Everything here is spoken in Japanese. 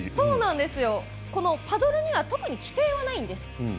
このパドルには特に規定はないんです。